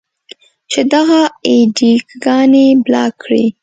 چې دغه اې ډي ګانې بلاک کړئ.